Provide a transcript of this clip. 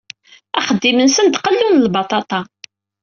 Axeddim-nsen d qellu n lbaṭaṭa.